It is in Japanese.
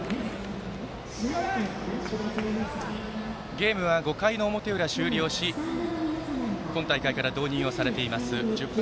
ゲームは５回の表裏が終了し今大会から導入されています